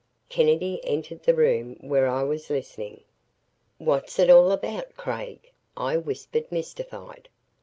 Kennedy entered the room where I was listening. "What's it all about, Craig?" I whispered, mystified.